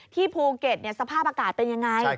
ภูเก็ตสภาพอากาศเป็นยังไง